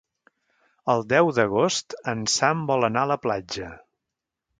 El deu d'agost en Sam vol anar a la platja.